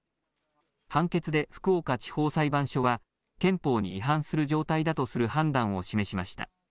判決で福岡地方裁判所は憲法に違反する状態だとする判断を示しました。